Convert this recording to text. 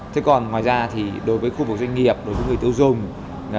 thế còn ngoài ra thì đối với khu vực doanh nghiệp đối với người tiêu dùng